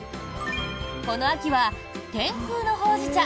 この秋は、天空のほうじ茶